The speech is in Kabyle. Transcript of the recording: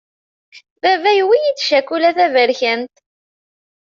Baba yewwi-yi-d cakula taberkant.